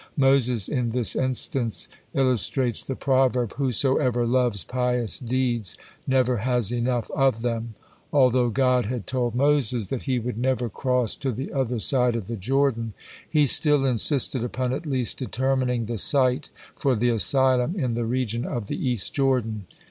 Moses in this instance illustrates the proverb, "Whosoever loves pious deeds, never has enough of them." Although God had told Moses that he would never cross to the other side of the Jordan, he still insisted upon at least determining the site for the asylum in the region of the East Jordan.